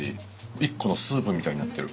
一個のスープみたいになってる。